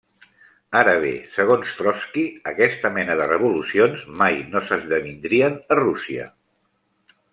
Ara bé, segons Trotski, aquesta mena de revolucions mai no s'esdevindrien a Rússia.